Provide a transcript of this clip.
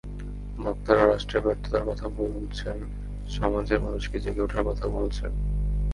বক্তারা রাষ্ট্রের ব্যর্থতার কথা বলছেন, সমাজের মানুষকে জেগে ওঠার কথা বলছেন।